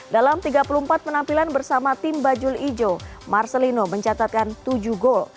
dalam tiga puluh empat penampilan bersama tim bajul ijo marcelino mencatatkan tujuh gol